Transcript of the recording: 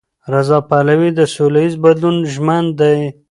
رضا پهلوي د سولهییز بدلون ژمن دی.